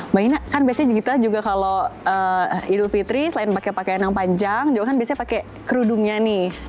mbak ina kan biasanya kita juga kalau idul fitri selain pakai pakaian yang panjang johan biasanya pakai kerudungnya nih